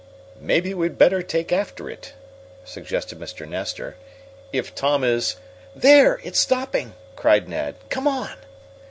"Maybe we'd better take after it," suggested Mr. Nestor. "If Tom is " "There, it's stopping!" cried Ned. "Come on!"